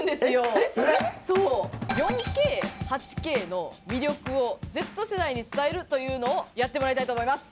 ４Ｋ８Ｋの魅力をＺ世代に伝えるというのをやってもらいたいと思います。